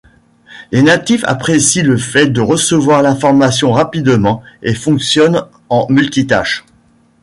Les natifs apprécient le fait de recevoir l’information rapidement et fonctionnent en multitâche.